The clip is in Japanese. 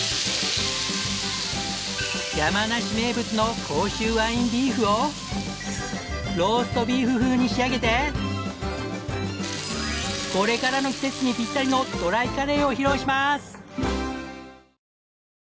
山梨名物の甲州ワインビーフをローストビーフ風に仕上げてこれからの季節にピッタリのドライカレーを披露します！